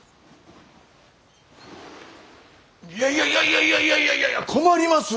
いやいやいやいやいやいやいやいや困ります！